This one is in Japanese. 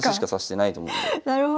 なるほど。